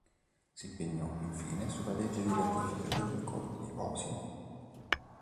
Si impegnò infine sulla legge di ratifica degli accordi di Osimo.